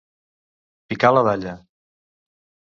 Picar la dalla.